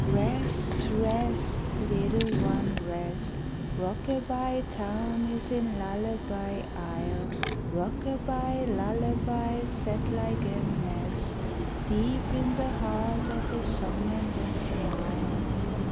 Rest, rest, little one, rest; Rockaby Town is in Lullaby Isle. Rockaby, lullaby, set like a nest Deep in the heart of a song and a smile.